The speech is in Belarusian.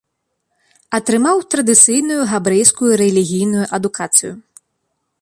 Атрымаў традыцыйную габрэйскую рэлігійную адукацыю.